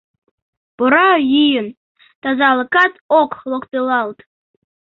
Пура йӱын, тазалыкат ок локтылалт.